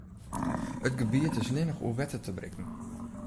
It gebiet is allinnich oer wetter te berikken.